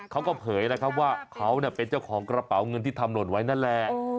เผยนะครับว่าเขาเป็นเจ้าของกระเป๋าเงินที่ทำหล่นไว้นั่นแหละ